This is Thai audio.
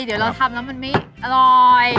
เดี๋ยวเราทำแล้วมันไม่อร่อย